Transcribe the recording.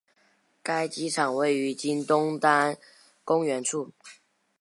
该机场位于今东单公园处。